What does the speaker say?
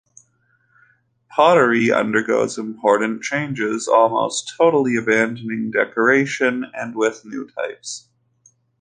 Pottery undergoes important changes, almost totally abandoning decoration and with new types.